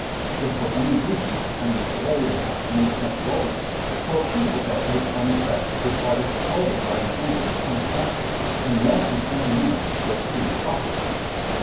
If for any reason a train is delayed and has to move ahead slowly, torpedoes are placed on the track which are exploded by the engine that comes after and warn its engineer to proceed cautiously.